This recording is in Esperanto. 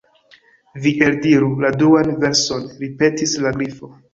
"Vi eldiru la duan verson," ripetis la Grifo.